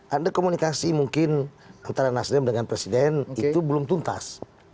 ada komunikasi mungkin antara nasdem dengan presiden itu belum tuntas